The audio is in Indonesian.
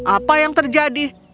apa yang terjadi